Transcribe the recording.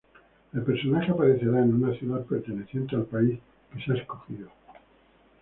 El personaje aparecerá en una ciudad perteneciente al país que se ha escogidos.